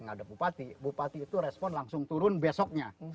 menghadap bupati bupati itu respon langsung turun besoknya